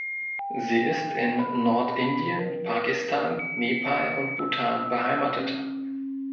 Sie ist in Nord-Indien, Pakistan, Nepal und Bhutan beheimatet.